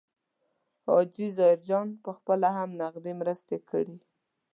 حاجي ظاهرجان پخپله هم نغدي مرستې کړي.